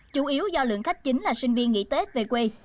chủ yếu do lượng khách chính là sinh viên nghỉ tết về quê